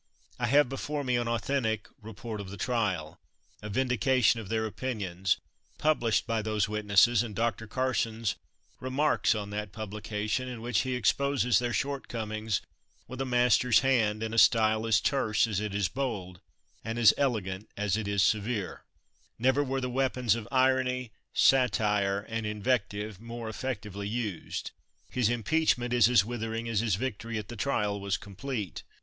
I have before me an authentic "Report of the Trial," "A Vindication of their Opinions," published by those witnesses, and Dr. Carson's "Remarks" on that publication, in which he exposes their shortcomings with a master's hand, in a style as terse as it is bold, and as elegant as it is severe; never were the weapons of irony, satire, and invective more effectively used; his impeachment is as withering as his victory at the trial was complete.